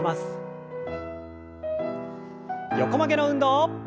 横曲げの運動。